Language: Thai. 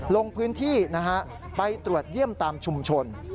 ลงพื้นที่นะฮะไปตรวจเยี่ยมตามชุมชน